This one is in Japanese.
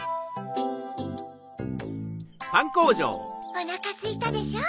おなかすいたでしょ？